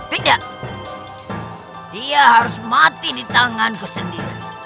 tidak dia harus mati di tanganku sendiri